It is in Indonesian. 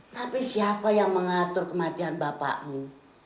tapi siapa yang mengatur kematian bapakmu